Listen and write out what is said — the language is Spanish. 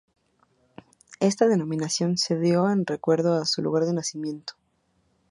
Esta denominación se dio en recuerdo a su lugar de nacimiento.